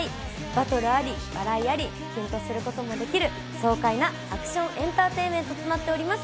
バトルあり、笑いあり、キュンとすることもできる爽快なアクションエンターテインメントとなっております。